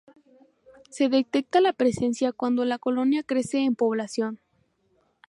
Se detecta la presencia cuando la colonia crece en población.